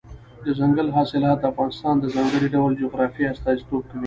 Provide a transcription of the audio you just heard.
دځنګل حاصلات د افغانستان د ځانګړي ډول جغرافیې استازیتوب کوي.